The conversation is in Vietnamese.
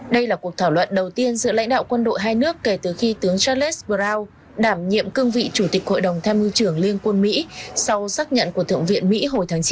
đây là cuộc thảo luận đầu tiên giữa lãnh đạo quân đội hai nước kể từ khi tướng charles brown đảm nhiệm cương vị chủ tịch hội đồng tham mưu trưởng liên quân mỹ sau xác nhận của thượng viện mỹ hồi tháng chín